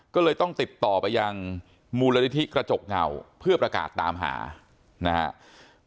ก็เลยต้องติดต่อไปยังมูลนิธิกระจกเงาเพื่อประกาศตามหานะครับ